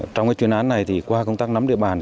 trong chuyến án này qua công tác nắm địa bàn